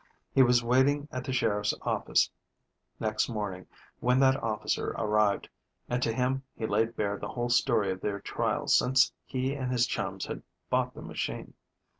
He was waiting at the sheriff's office next morning when that officer arrived, and to him he laid bare the whole story of their trials since he and his chums had bought the machine.